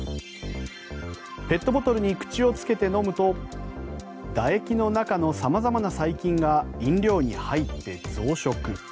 ペットボトルに口をつけて飲むとだ液の中の様々な細菌が飲料に入って増殖。